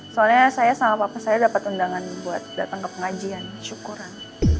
soalnya saya sama bapak saya dapat undangan buat datang ke pengajian syukuran